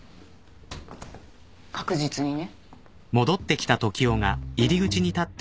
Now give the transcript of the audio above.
確実にね。